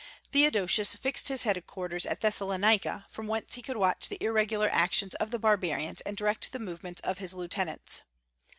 Theodosius "fixed his headquarters at Thessalonica, from whence he could watch the irregular actions of the barbarians and direct the movements of his lieutenants."